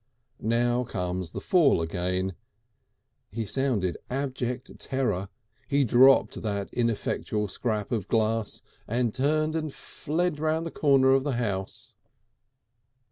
Now comes the fall again; he sounded abject terror; he dropped that ineffectual scrap of glass and turned and fled round the corner of the house.